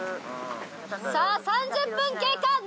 さぁ３０分経過！